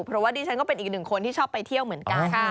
เพราะว่าดิฉันก็เป็นอีกหนึ่งคนที่ชอบไปเที่ยวเหมือนกัน